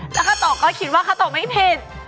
แล้วคาโตก็คิดว่าคาโตไม่ผิด